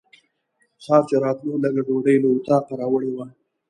سهار چې راتلو لږه ډوډۍ له اطاقه راوړې وه.